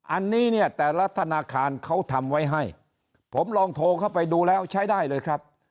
อันนี้เนี่ยแต่ละธนาคารเขาทำไว้ให้ผมลองโทรเข้าไปดูแล้วใช้ได้เลยครับ